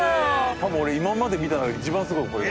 多分俺今まで見た中で一番すごい。